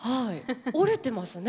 折れてますね。